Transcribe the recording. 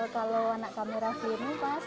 kalau anak kami rafli ini mas